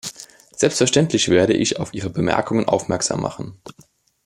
Selbstverständlich werde ich auf Ihre Bemerkungen aufmerksam machen.